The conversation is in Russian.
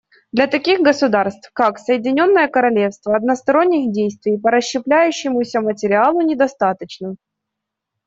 Для таких государств, как Соединенное Королевство, односторонних действий по расщепляющемуся материалу недостаточно.